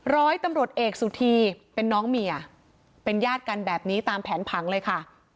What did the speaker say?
ร้อยตำรวจเอกสุธีเป็นน้องเมียเป็นญาติกันแบบนี้ตามแผนผังเลยค่ะ